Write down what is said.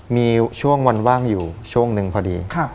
มีช่วงวันว่างอยู่ช่วงหนึ่งพอดี